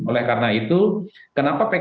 oleh karena itu kenapa pks hari ini